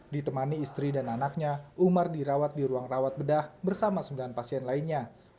ditemani istri dan anaknya umar dirawat di ruang rawat bedah bersama sembilan pasien lainnya